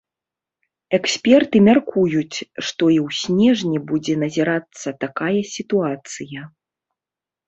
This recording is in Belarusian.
Эксперты мяркуюць, што і ў снежні будзе назірацца такая сітуацыя.